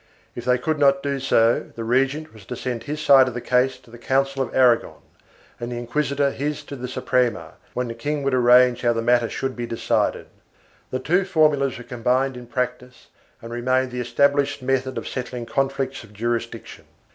If they could not do so, the regent was to send his side of the case to the Council of Aragon and the inquisitor his to the Suprema, when the king would arrange how the matter should be decided.2 The two formulas were combined in practice and remained the established method of settling conflicts of jurisdiction.